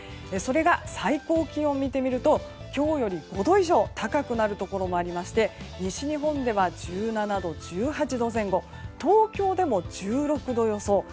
それが最高気温を見てみると今日より５度以上高くなるところがありまして西日本では１７度、１８度前後東京でも１６度予想。